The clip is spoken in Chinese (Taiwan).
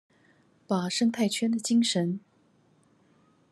把生態圈的精神